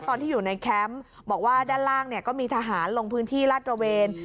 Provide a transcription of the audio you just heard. ตอนที่อยู่ในแคมป์บอกว่าด้านล่างเนี่ยก็มีทหารลงพื้นที่ลาดตระเวน